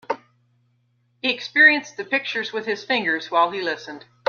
He experienced the pictures with his fingers while he listened.